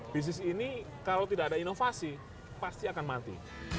bisnis ini kalau tidak ada inovasi pasti akan mati